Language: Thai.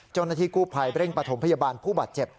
จ้องนาฬิกูภัยเร่งประถมพยาบาลผู้บาดเจ็บ